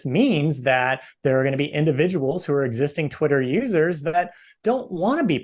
tapi itu hanya artinya bahwa ada individu yang adalah pengguna twitter yang ada di situ